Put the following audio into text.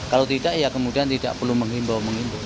kalau tidak ya kemudian tidak perlu menghimbau menghimbau